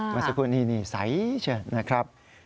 ค่ะมันสักครู่นี่นี่ใสเชิดนะครับ